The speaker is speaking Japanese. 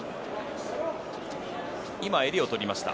今、襟を取りました。